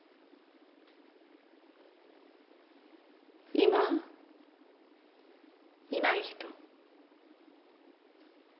今いない人。